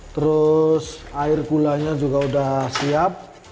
terus air gulanya juga sudah siap